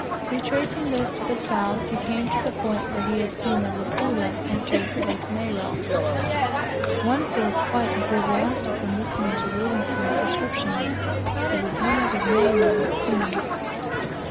Retracing this to the south, he came to the point where he had seen the Luapula enter Lake Moero. One feels quite enthusiastic when listening to Livingstone's description of the beauties of Moero scenery.